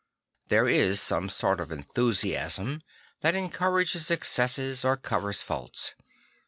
There is some sort of enthusiasm that encourages excesses or covers faults.